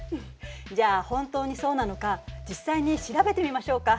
じゃあ本当にそうなのか実際に調べてみましょうか。